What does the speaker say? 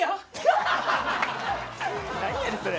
何やねんそれ。